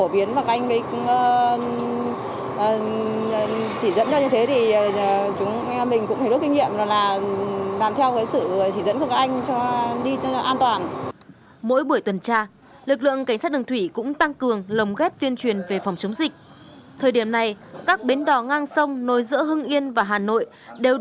việc thứ nhất là chúng tôi tăng cường công tác tuyên truyền về phòng chống dịch covid một mươi chín